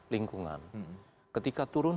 lingkungan ketika turun